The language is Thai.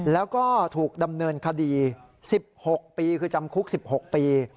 แล้วก็ถูกดำเนินคดี๑๖ปีคือจำคุก๑๖ปี